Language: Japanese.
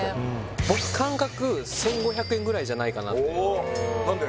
僕感覚１５００円ぐらいじゃないかなって何で？